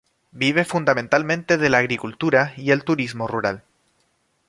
Vive fundamentalmente de la agricultura y el turismo rural.